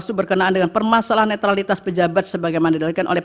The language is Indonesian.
itu berkenaan dengan permasalahan netralitas pj kepala daerah tersebut